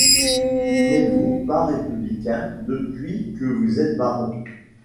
N’êtes-vous pas républicain depuis que vous êtes baron?